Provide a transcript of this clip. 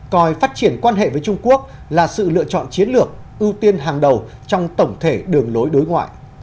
coi phát triển quan hệ với trung quốc là sự lựa chọn chiến lược ưu tiên hàng đầu trong tổng thể đường lối đối ngoại